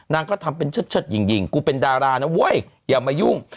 นางก็ทำเป็นเชิดหญิงกูเป็นดารานะเว้ยอย่ามายุ่ง